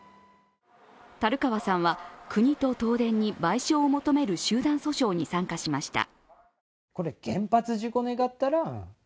樽川さんは、国と東電に賠償を求める集団訴訟に参加しました。